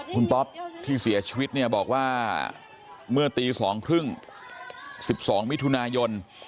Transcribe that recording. คุณต๊อบที่เสียชีวิตเนี่ยบอกว่าเมื่อตีสองครึ่งสิบสองมิถุนายน